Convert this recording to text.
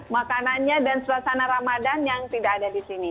makanannya dan suasana ramadan yang tidak ada di sini